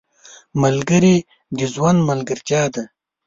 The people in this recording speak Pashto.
ملګري د ژوند ملګرتیا ده.